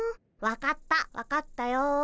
分かった分かったよ。